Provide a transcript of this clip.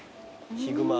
ヒグマ。